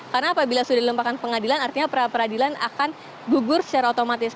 karena apabila sudah dilempahkan pengadilan artinya peradilan akan gugur secara otomatis